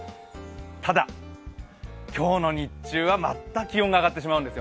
ただ、今日の日中はまた気温が上がってしまうんです。